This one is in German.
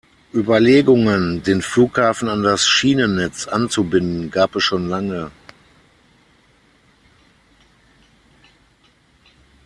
Überlegungen, den Flughafen an das Schienennetz anzubinden, gab es schon lange.